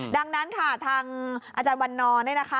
ดังนั้นค่ะทางอาจารย์วันนอน